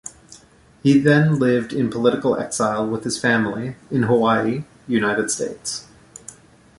He then lived in political exile with his family in Hawaii, United States.